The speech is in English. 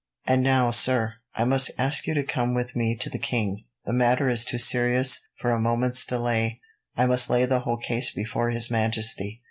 "And now, sir, I must ask you to come with me to the king. The matter is too serious for a moment's delay. I must lay the whole case before His Majesty."